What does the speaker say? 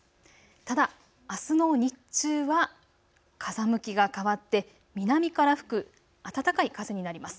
ただ、あすの日中は風向きが変わって南から吹く暖かい風になります。